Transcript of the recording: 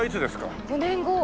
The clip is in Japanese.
４年後を。